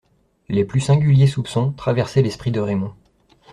Les plus singuliers soupçons traversaient l'esprit de Raymond.